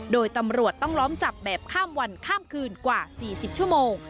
โดยตำรวจต้องล้อมจับแบบข้ามวันข้ามคืนกว่า๔๐ชั่วโมง